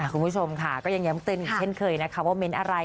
คุณผู้ชมค่ะก็ยังย้ำเตือนอีกเช่นเคยนะคะว่าเม้นอะไร